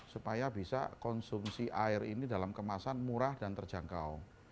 supaya bisa konsumsi air ini dalam kemasan murah dan terjangkau